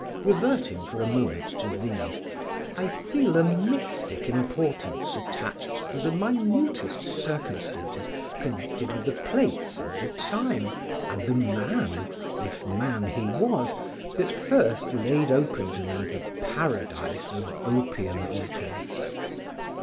Reverting for a moment to these, I feel a mystic importance attached to the minutest circumstances connected with the place and the time and the man (if man he was) that first laid open to me the Paradise of Opium eaters.